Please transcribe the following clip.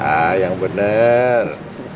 ah yang bener